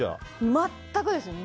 全くですね。